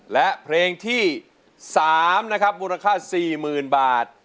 และเพลงที่๓นะครับมูลค่า๔๐๐๐บาท